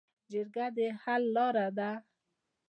جرګه د حل لاره ده